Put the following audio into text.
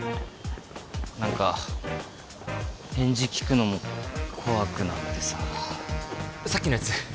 何か返事聞くのも怖くなってささっきのやつ